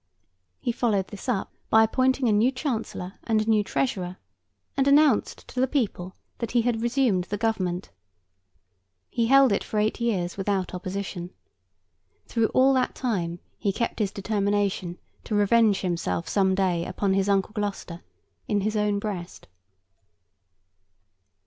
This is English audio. He followed this up, by appointing a new Chancellor and a new Treasurer, and announced to the people that he had resumed the Government. He held it for eight years without opposition. Through all that time, he kept his determination to revenge himself some day upon his uncle Gloucester, in his own breast.